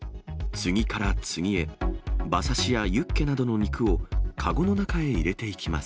次から次へ、馬刺しやユッケなどの肉を、籠の中へ入れていきます。